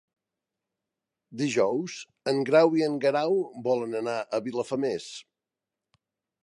Dijous en Grau i en Guerau volen anar a Vilafamés.